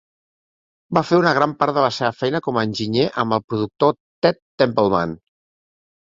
Va fer una gran part de la seva feina com a enginyer amb el productor Ted Templeman.